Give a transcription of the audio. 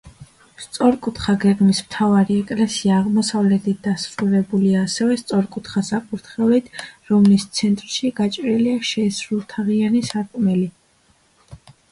სწორკუთხა გეგმის, მთავარი ეკლესია აღმოსავლეთით დასრულებულია ასევე სწორკუთხა საკურთხევლით, რომლის ცენტრში გაჭრილია შეისრულთაღიანი სარკმელი.